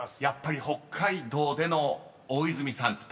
［やっぱり北海道での大泉さん